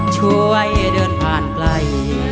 ช่วยเดินผ่านไกล